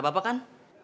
mata bapak kan